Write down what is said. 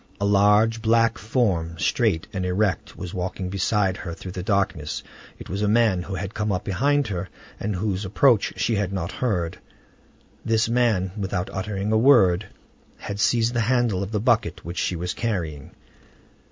A large black form, straight and erect, was walking beside her through the darkness; it was a man who had come up behind her, and whose approach she had not heard. This man, without uttering a word, had seized the handle of the bucket which she was carrying.